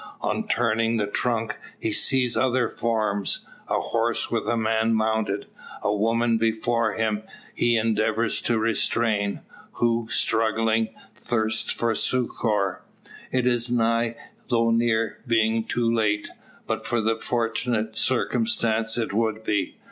On turning the trunk, he sees other forms, a horse with man mounted, a woman before him he endeavours to restrain, who, struggling, thirsts for succour. It is nigh, though near being too late. But for a fortunate circumstance, it would be.